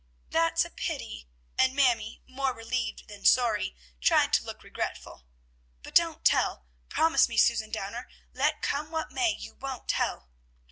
"That's a pity!" and Mamie, more relieved than sorry, tried to look regretful. "But don't you tell. Promise me, Susan Downer, let come what may, you won't tell."